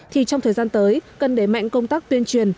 thì trong thời gian tới cần đẩy mạnh công tác tuyên truyền